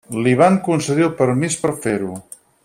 L'hi van concedir el permís per fer-ho.